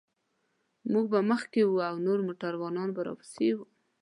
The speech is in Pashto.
موږ به مخکې وو او نور موټران به راپسې و.